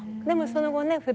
でもその後ね